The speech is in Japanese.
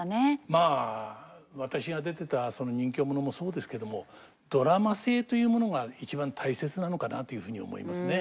まあ私が出てた任侠ものもそうですけどもドラマ性というものが一番大切なのかなというふうに思いますね。